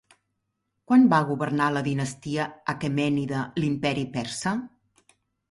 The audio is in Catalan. Quan va governar la dinastia aquemènida l'Imperi persa?